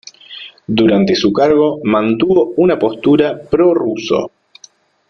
Durante su cargo mantuvo una postura pro-ruso.